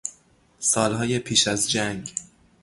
سالهای پیش از جنگ